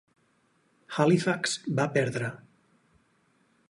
Halifax va perdre.